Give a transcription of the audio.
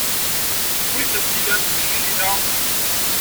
Wi tent-illan teqcicin-a?